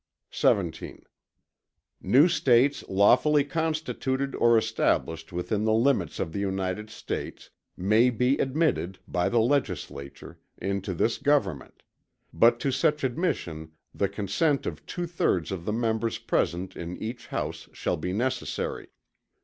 XVII New States lawfully constituted or established within the limits of the United States, may be admitted, by the Legislature, into this government; but to such admission the consent of two thirds of the Members present in each House shall be necessary.